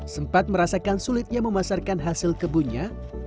sempat merasakan sulitnya memasarkan hasil kebunnya